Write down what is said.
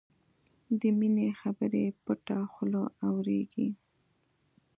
د مینې خبرې پټه خوله اورېږي